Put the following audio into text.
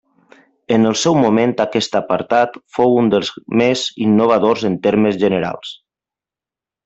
En el seu moment aquest apartat fou un dels més innovadors en termes generals.